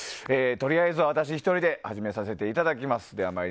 とりあえずは私１人で始めさせていただきます。